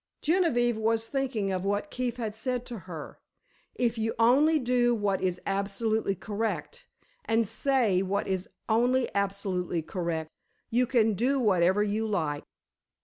Genevieve was thinking of what Keefe had said to her: "If you do only what is absolutely correct and say what is only absolutely correct, you can do whatever you like."